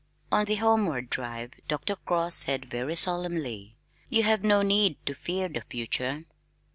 On the homeward drive, Dr. Cross said very solemnly, "You have no need to fear the future."